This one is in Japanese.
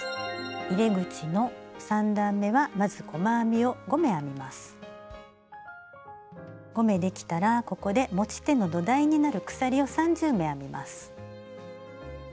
入れ口の３段めはまず５目できたらここで持ち手の土台になる鎖を３０目編みます。